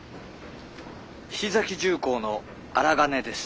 菱崎重工の荒金です。